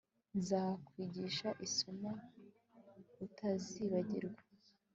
Nzakwigisha isomo utazibagirwa